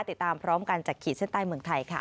ติดตามพร้อมกันจากขีดเส้นใต้เมืองไทยค่ะ